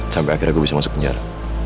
sampai akhirnya gue bisa masuk penjara